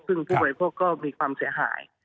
ซึ่งผู้บริโภคก็มีความเสียหาย